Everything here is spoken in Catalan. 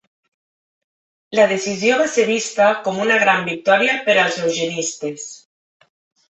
La decisió va ser vista com una gran victòria per als eugenistes.